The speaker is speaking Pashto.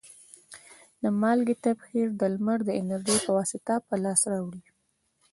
د مالګې تبخیر د لمر د انرژي په واسطه په لاس راوړي.